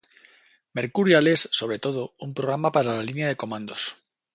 Mercurial es, sobre todo, un programa para la línea de comandos.